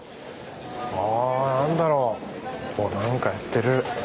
あ何だろう何かやってる。